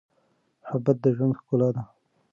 محبت د ژوند ښکلا ده.